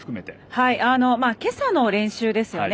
まず今朝の練習ですよね。